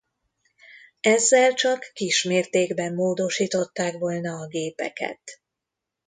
Ezzel csak kis mértékben módosították volna a gépeket.